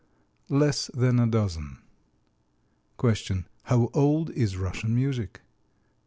Less than a dozen. Q. How old is Russian music?